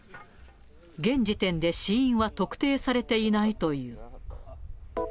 現時点で死因は特定されていないという。